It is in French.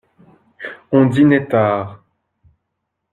On dînait tard.